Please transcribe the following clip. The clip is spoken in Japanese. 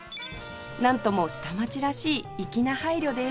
なんとも下町らしい粋な配慮です